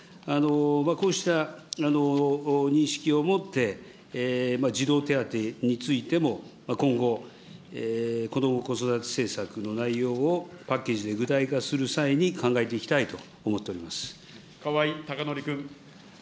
こうした認識を持って、児童手当についても今後、こども・子育て政策の内容をパッケージで具体化する際に考えてい川合孝典君。